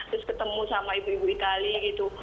terus ketemu sama ibu ibu italia gitu